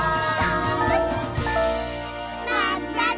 まったね！